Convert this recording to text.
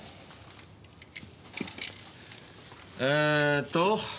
えーっと。